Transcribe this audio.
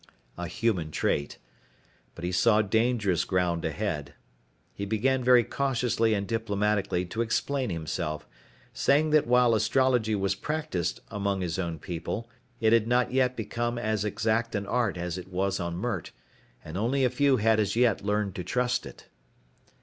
A human trait. But he saw dangerous ground ahead. He began very cautiously and diplomatically to explain himself, saying that while astrology was practiced among his own people, it had not yet become as exact an art as it was on Mert, and only a few had as yet learned to trust it.